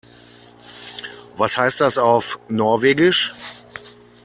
Was heißt das auf Norwegisch?